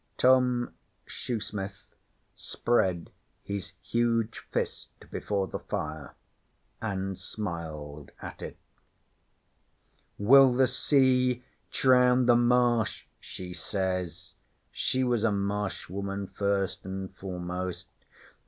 Tom Shoesmith spread his huge fist before the fire and smiled at it. '"Will the sea drown the Marsh?" she says. She was a Marsh woman first an' foremost.